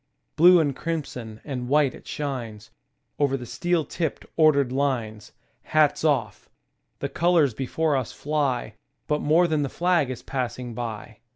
Blue and crimson and white it shines, Over the steel tipped, ordered lines. Hats off ! The colors before us fly, But more than the flag is passing by.